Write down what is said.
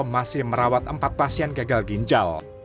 masih merawat empat pasien gagal ginjal